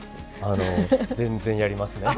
あの全然やりますね。